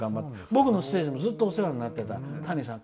僕のステージもずっとお世話になっていた谷さん。